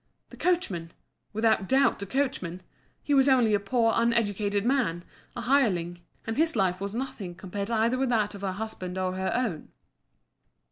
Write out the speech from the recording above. The coachman! without doubt the coachman. He was only a poor, uneducated man, a hireling, and his life was as nothing compared either with that of her husband or her own.